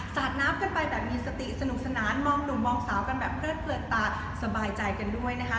สาดน้ำกันไปแบบมีสติสนุกสนานมองหนุ่มมองสาวกันแบบเพลิดเพลินตาสบายใจกันด้วยนะคะ